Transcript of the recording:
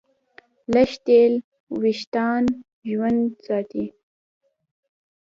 لږ تېل وېښتيان ژوندي ساتي.